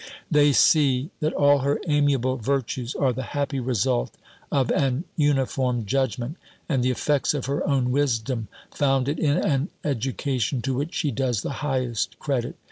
They see, that all her amiable virtues are the happy result of an uniform judgment, and the effects of her own wisdom, founded in an education to which she does the highest credit.